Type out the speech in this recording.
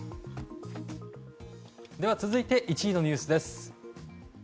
続いて１位のニュースです。